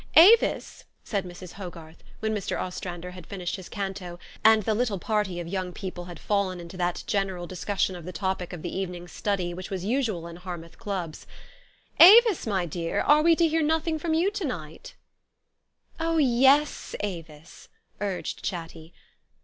"Avis," said Mrs. Hogarth, when Mr. Ostrander had finished his canto, and the little party of young people had fallen into that general discussion of the topic of the evening's stud}^, which was usual in Harmouth " Clubs," " Avis, my dear, are we to hear nothing from you to night ?'' 16 THE STORY OF AVIS. " Oh, yes, Avis !" urged Chatty.